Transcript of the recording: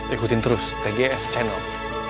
ikutin terus tgs channel